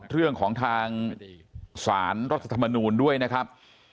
เรื่องของทางสารรัฐธรรมนูลด้วยนะครับ